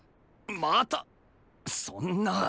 またそんな。